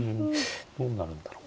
どうなるんだろう？